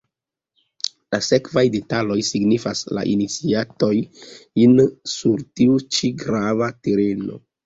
La sekvaj detaloj signas la iniciatojn sur tiu ĉi grava tereno.